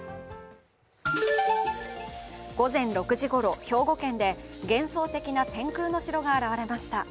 午前６時ごろ、兵庫県で幻想的な天空の城が現れました。